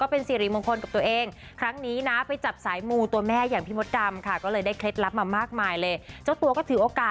พิธีกรคนเก่งของเรานี่ล่ะค่ะ